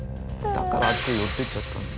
だからあっちに寄っていっちゃったんだ。